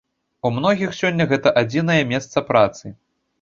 У многіх сёння гэта адзінае месца працы.